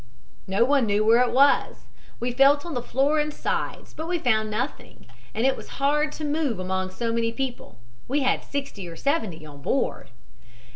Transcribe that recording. No one knew where it was. We felt on the floor and sides, but found nothing, and it was hard to move among so many people we had sixty or seventy on board.